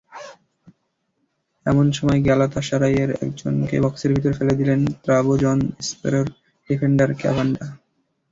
এমন সময় গ্যালাতাসারাইয়ের একজনকে বক্সের ভেতর ফেলে দিলেন ত্রাবজনস্পোরের ডিফেন্ডার কাভান্ডা।